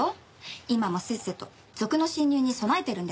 今もせっせと賊の侵入に備えてるんですから。